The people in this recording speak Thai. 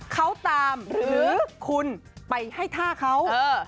เขาตามหรือคุณไปให้ท่าเขา